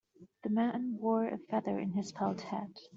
The man wore a feather in his felt hat.